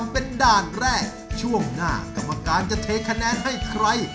เป็นด่านแรกช่วงหน้ากรมการจะใคร